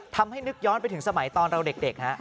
นึกย้อนไปถึงสมัยตอนเราเด็ก